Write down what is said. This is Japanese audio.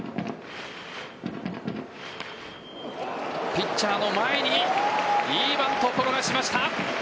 ピッチャーの前にいいバント、転がしました。